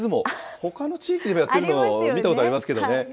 ほかの地域でもやってるの見たことありますけどね。